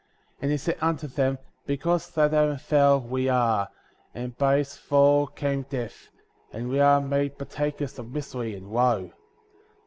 48. And he said unto them: Because that Adam fell, we are;* and by his fall came death; and we are made partakers of misery and woe.